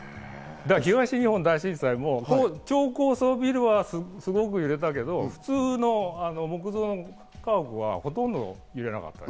東日本大震災も超高層ビルはすごく揺れたけど、普通の木造の家屋はほとんど揺れなかった。